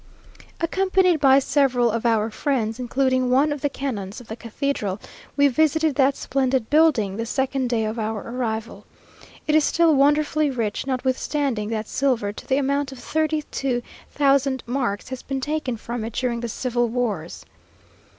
Accompanied by several of our friends, including one of the canons of the cathedral, we visited that splendid building the second day of our arrival. It is still wonderfully rich, notwithstanding that silver to the amount of thirty two thousand marks has been taken from it during the civil wars.